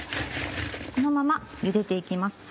このままゆでて行きます。